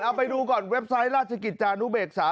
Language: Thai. เอาไปดูก่อนเว็บไซต์ราชกิจจานุเบกษา